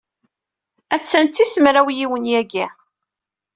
Attan d tis mraw yiwen yagi.